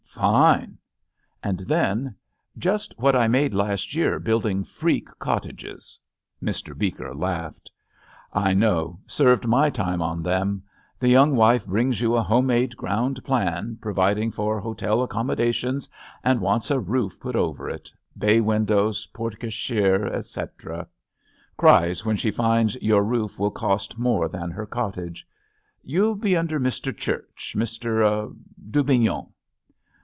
"Fine." And then, "Just what I made last year building freak cottages." Mr. Beeker laughed : "I know; served my time on them. The young wife brings you a home made ground plan, providing for hotel accommodations, and wants a roof put over it — ^bay windows, porte cochere, etc. Cries when she finds your roof will cost more than her cottage. You'll be under Mr. Church, Mr. —" "Dubignon."